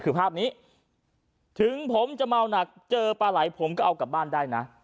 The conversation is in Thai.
คือภาพนี้ถึงผมจะเมาหนักเจอปลาไหลผมก็เอากลับบ้านได้นะ